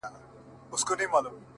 راته راگوره مه د سره اور انتهاء به سم!